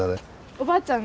おばあちゃん。